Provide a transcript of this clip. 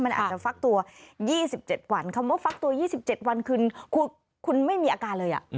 มันอาจจะฟักตัว๒๗วันคำว่าฟักตัว๒๗วันคือคุณไม่มีอาการเลย